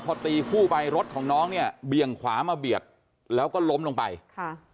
พอตีคู่ไปรถของน้องเนี่ยเบี่ยงขวามาเบียดแล้วก็ล้มลงไปค่ะ